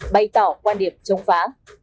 bày tỏ quan điểm chống phá